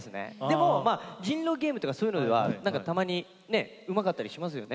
でも「人狼ゲーム」とかそういうのではたまにねうまかったりしますよねうそが。